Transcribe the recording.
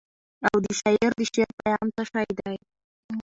او د شاعر د شعر پیغام څه شی دی؟.